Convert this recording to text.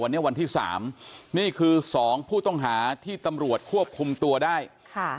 วันนี้วันที่สามนี่คือสองผู้ต้องหาที่ตำรวจควบคุมตัวได้ค่ะ